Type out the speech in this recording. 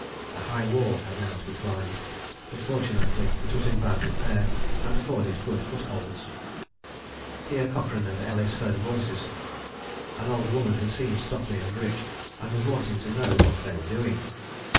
A high wall had now to be climbed, but fortunately it was in bad repair and afforded good footholds. Here Cochrane and Ellis heard voices. An old woman had seen Stockley and Rich and was wanting to know what they were doing.